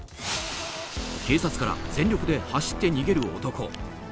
警察から全力で走って逃げる男。